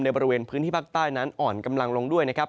บริเวณพื้นที่ภาคใต้นั้นอ่อนกำลังลงด้วยนะครับ